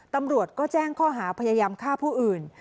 ตำรวจก็แจ้งข้อหาพยายามฆ่าผู้อื่น